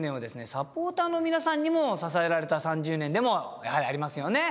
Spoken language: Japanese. サポーターの皆さんにも支えられた３０年でもやはりありますよね。